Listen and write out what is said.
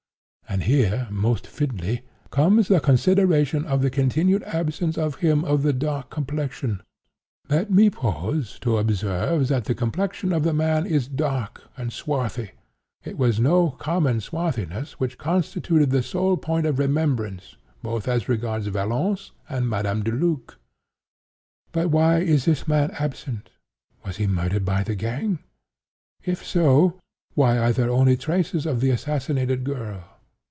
"And here, most fitly, comes the consideration of the continued absence of him of the dark complexion. Let me pause to observe that the complexion of this man is dark and swarthy; it was no common swarthiness which constituted the sole point of remembrance, both as regards Valence and Madame Deluc. But why is this man absent? Was he murdered by the gang? If so, why are there only traces of the assassinated girl?